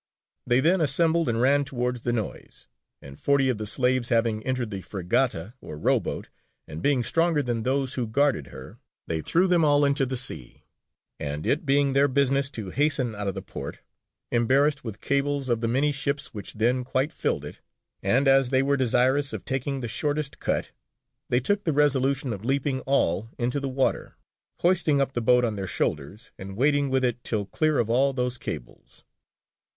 They then assembled and ran towards the noise. And forty of the slaves having entered the fregata, or row boat, and being stronger than those who guarded her, they threw them all into the sea; and it being their business to hasten out of the port, embarrassed with cables of the many ships which then quite filled it, and as they were desirous of taking the shortest cut, they took the resolution of leaping all into the water, hoisting up the boat on their shoulders, and wading with it till clear of all those cables.